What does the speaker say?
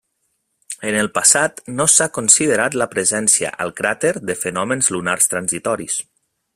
En el passat no s'ha considerat la presència al cràter de fenòmens lunars transitoris.